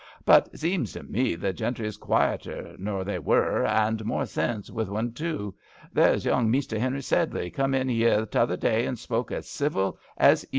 But zems to me the gentry is quieter nor they were, and more sense wi* 'un too. There's young Mester Henry Sedley come in 'ere t'other day and spoke as civil as GRANNY LOVELOCK AT HOME.